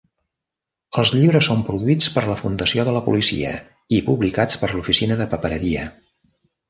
Els llibres són produïts per la Fundació de la Policia i publicats per la Oficina de Papereria.